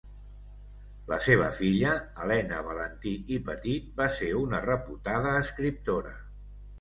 La seva filla Helena Valentí i Petit, va ser una reputada escriptora.